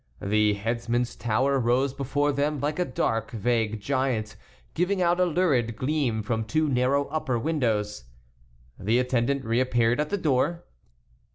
The headsman's tower rose before them like a dark, vague giant, giving out a lurid gleam from two narrow upper windows. The attendant reappeared at the door.